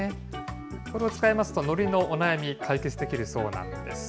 これを使いますと、のりのお悩み、解決できるそうなんです。